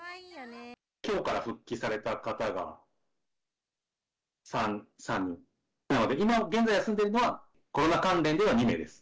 きょうから復帰された方が３人、なので、今現在休んでいるのは、コロナ関連では２名です。